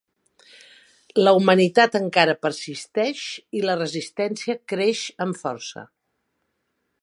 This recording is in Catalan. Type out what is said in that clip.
La humanitat encara persisteix i la Resistència creix amb força.